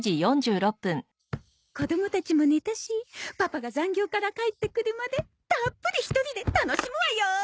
子供たちも寝たしパパが残業から帰ってくるまでたっぷり一人で楽しむわよ！